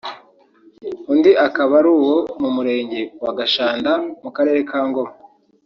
undi akaba ari uwo mu Murenge wa Gashanda mu Karere ka Ngoma